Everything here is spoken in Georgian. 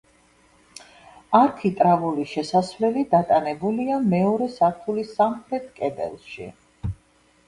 არქიტრავული შესასვლელი დატანებულია მეორე სართულის სამხრეთ კედელში.